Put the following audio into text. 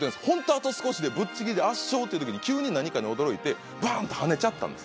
あと少しでぶっちぎりで圧勝という時に急に何かに驚いてバン！と跳ねちゃったんです。